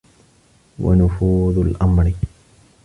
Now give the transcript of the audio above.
وَنُفُوذُ الْأَمْرِ